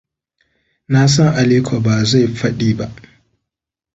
Na san Aliko ba zai faɗi ba.